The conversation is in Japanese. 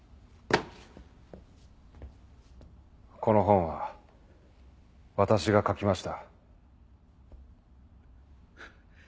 この本は私が書きました。